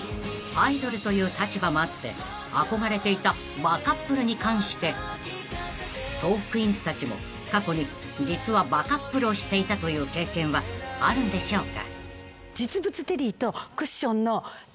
［アイドルという立場もあって憧れていたバカップルに関してトークィーンズたちも過去に実はバカップルをしていたという経験はあるんでしょうか］